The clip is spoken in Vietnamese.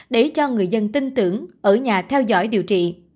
để cho người dân tin tưởng ở nhà theo dõi điều trị